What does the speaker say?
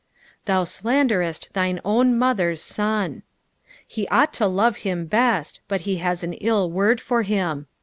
"Thoutlkndereet thine own mother' § ton." He ought to love him best, but he has an ill word for him.